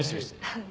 はい。